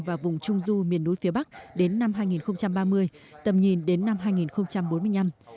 và vùng trung du miền núi phía bắc đến năm hai nghìn ba mươi tầm nhìn đến năm hai nghìn bốn mươi năm